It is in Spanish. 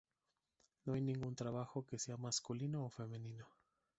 No hay ningún trabajo que sea masculino o femenino.